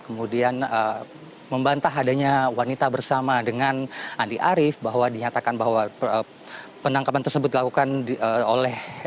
kemudian membantah adanya wanita bersama dengan andi arief bahwa dinyatakan bahwa penangkapan tersebut dilakukan oleh